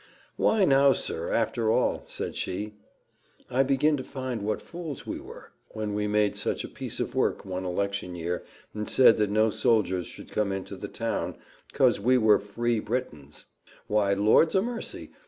"Why now, sir, after all," said she, "I begin to find what fools we were, when we made such a piece of work one election year, and said that no soldiers should come into the town, 'cause we were free Britons. Why, Lord 'a mercy!